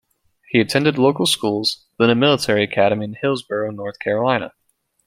He attended local schools, then a military academy in Hillsboro, North Carolina.